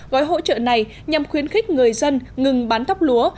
gói hỗ trợ này nhằm khuyến khích người dân ngừng bán thóc lúa